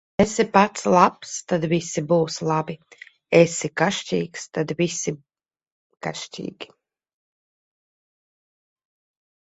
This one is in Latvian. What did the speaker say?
Esi pats labs, tad visi būs labi; esi kašķīgs, tad visi kašķīgi.